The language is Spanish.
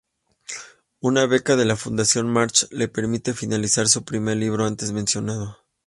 Una beca de la Fundación March le permite finalizar su primer libro, antes mencionado.